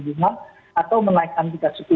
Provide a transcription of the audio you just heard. bunga atau menaikkan juga suku